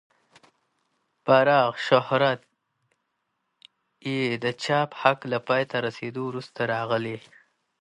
پراخ شهرت یې د چاپ حق له پای ته رسېدو وروسته راغی.